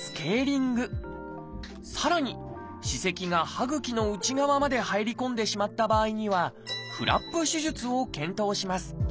さらに歯石が歯ぐきの内側まで入り込んでしまった場合には「フラップ手術」を検討します。